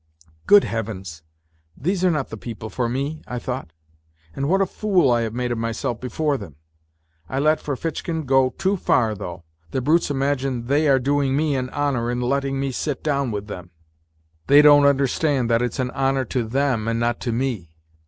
" Good Heavens, these are not the people for me !" I thought. " And what a fool I have made of myself before them ! I let 1 '< rfitchkin go too far, though. The brutes imagine they are NOTES FROM UNDERGROUND 109 doing me an honour in letting me sit down with them. They don't understand that it's an honour to them and not to me